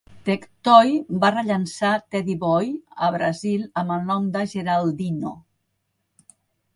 Tectoy va rellançar "Teddy Boy" a Brasil amb el nom de "Geraldinho".